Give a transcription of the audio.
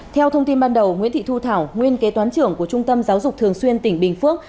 theo thông tin ban đầu nguyễn thị thu thảo nguyên kế toán trưởng của trung tâm giáo dục thường xuyên tỉnh bình phước